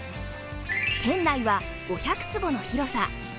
店内は５００坪の広さ。